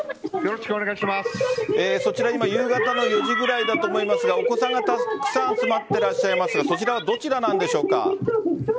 そちら今夕方の４時くらいだと思いますがお子さんがたくさん集まっていらっしゃいますがそちらはどちらなんでしょうか？